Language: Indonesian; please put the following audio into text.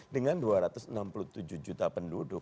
dengan dua ratus enam puluh tujuh juta penduduk